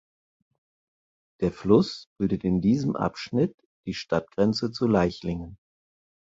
Der Fluss bildet in diesem Abschnitt die Stadtgrenze zu Leichlingen.